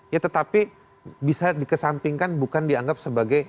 ya tetapi bisa dikesampingkan bukan dianggap sebagai